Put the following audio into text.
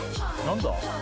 何だ？